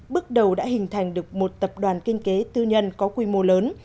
bước đầu đã hình thành được một tập đoàn kinh tế tư nhân có quy mô lớn